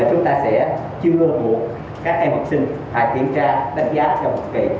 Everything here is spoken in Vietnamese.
chúng ta sẽ chưa thuộc các em học sinh phải kiểm tra đánh giá cho học kỳ